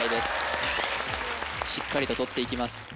しっかりととっていきます